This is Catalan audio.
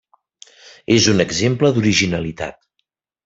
És un exemple d'originalitat.